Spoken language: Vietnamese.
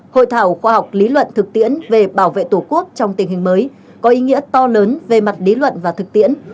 hội thảo khoa học lý luận thực tiễn về bảo vệ tổ quốc trong tình hình mới có ý nghĩa to lớn về mặt lý luận và thực tiễn